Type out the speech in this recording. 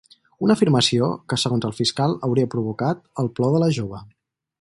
Una afirmació que segons el fiscal hauria provocat el plor de la jove.